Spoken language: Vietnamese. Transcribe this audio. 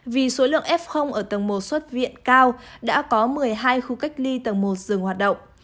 vì số lượng f ở tầng một xuất viện cao đã có một mươi hai khu cách ly tầng một dừng hoạt động